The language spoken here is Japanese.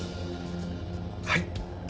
はい。